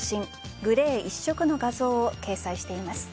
グレー一色の画像を掲載しています。